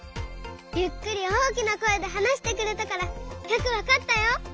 ゆっくり大きなこえではなしてくれたからよくわかったよ。